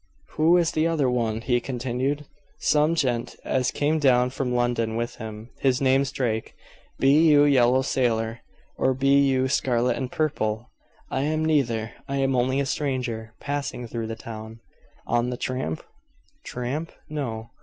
"Who is the other one?" he continued. "Some gent as came down from London with him. His name's Drake. Be you yellow, sailor, or be you scarlet and purple?" "I am neither. I am only a stranger, passing through the town." "On the tramp?" "Tramp? No."